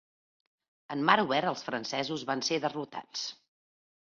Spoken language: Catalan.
En mar obert, els francesos van ser derrotats.